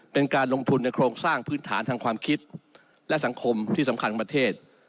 เป็นการลงทุนในโครงสร้างพื้นฐานทางความคิดและสังคมที่สำคัญของประเทศ